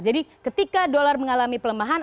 jadi ketika dollar mengalami pelemahan